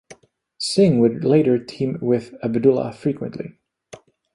Singh would later team with Abdullah frequently.